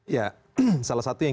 ya salah satu yang